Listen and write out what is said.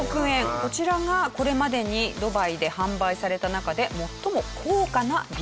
こちらがこれまでにドバイで販売された中で最も高価なヴィラだそうです。